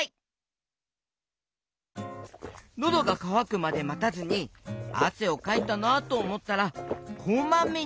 のどがかわくまでまたずにあせをかいたなとおもったらこまめにみずをのもう！